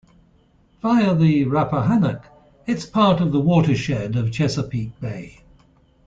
Via the Rappahannock, it is part of the watershed of Chesapeake Bay.